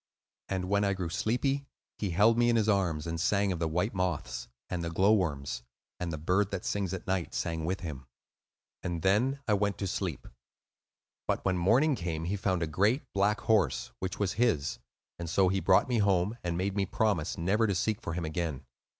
And when I grew sleepy, he held me in his arms, and sang of the white moths, and the glowworms; and the bird that sings at night sang with him; and then I went to sleep. But when morning came he found a great black horse, which was his; and so he brought me home, and made me promise never to seek for him again.